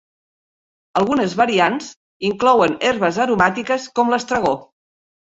Algunes variants inclouen herbes aromàtiques com l'estragó.